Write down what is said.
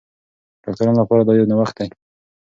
ډاکټرانو لپاره دا یو نوښت دی.